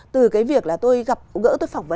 từ cái việc là